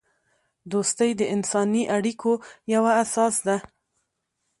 دوستی د انسانی اړیکو یوه اساس ده.